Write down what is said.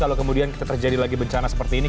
kalau kemudian kita terjadi lagi bencana seperti ini